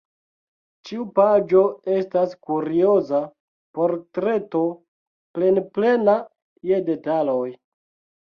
Ĉiu paĝo estas kurioza portreto plenplena je detaloj.